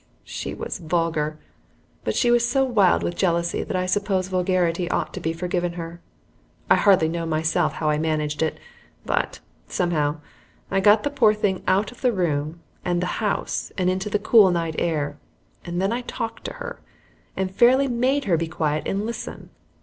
She was vulgar, but she was so wild with jealousy that I suppose vulgarity ought to be forgiven her. I hardly know myself how I managed it, but, somehow, I got the poor thing out of the room and the house and into the cool night air, and then I talked to her, and fairly made her be quiet and listen.